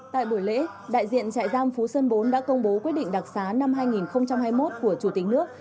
tại buổi lễ đại diện trại giam phú sơn bốn đã công bố quyết định đặc xá năm hai nghìn hai mươi một của chủ tịch nước